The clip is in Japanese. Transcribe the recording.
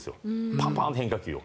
パンパンと変化球を。